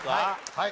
はい。